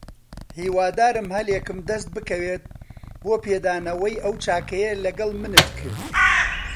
هیوادارم هەلێکم دەست بکەوێت بۆ پێدانەوەی ئەو چاکەیەی لەگەڵ منت کرد.